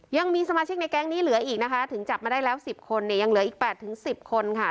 ยังมีสมาชิกในแก๊งนี้เหลืออีกนะคะถึงจับมาได้แล้ว๑๐คนเนี่ยยังเหลืออีก๘๑๐คนค่ะ